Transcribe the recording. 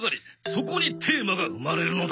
そこにテーマが生まれるのだ！